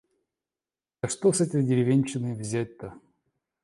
Да что с этой деревенщины взять-то?